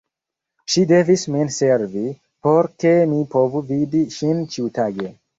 Ŝi devis min servi, por ke mi povu vidi ŝin ĉiutage.